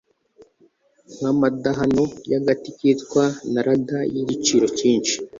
nk amadahano y agati kitwa narada y igiciro cyinshi